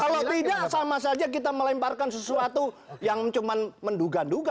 kalau tidak sama saja kita melemparkan sesuatu yang cuma menduga duga